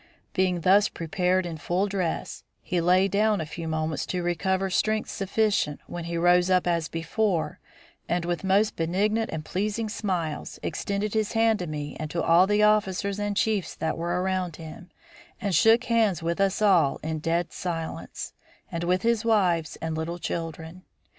"Being thus prepared in full dress, he lay down a few moments to recover strength sufficient, when he rose up as before, and with most benignant and pleasing smiles, extended his hand to me and to all of the officers and chiefs that were around him, and shook hands with us all in dead silence, and with his wives and little children.